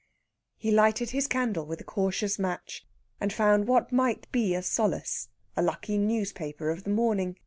He lighted his candle with a cautious match, and found what might be a solace a lucky newspaper of the morning.